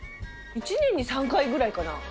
１年に３回ぐらいかな。